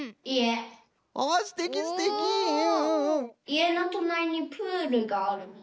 いえのとなりにプールがあるの。